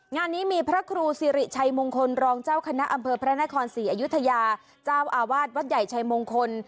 งานนี้มีพระครูสิริชัยมงคลรองเจ้าคณะอำเภอพระนครศรีอยุธยาเจ้าอาวาสวัดใหญ่ชัยมงคล